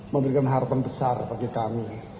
memberikan harapan besar bagi kami